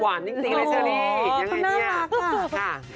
หวานจริงสิเลยเสื้อนี้